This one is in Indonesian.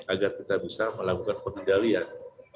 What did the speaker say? agar kita bisa melakukan pengendalian